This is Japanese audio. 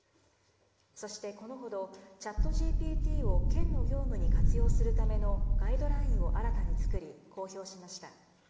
そしてこのほど、ＣｈａｔＧＰＴを県の業務に活用するためのガイドラインを新たに作り、公表しました。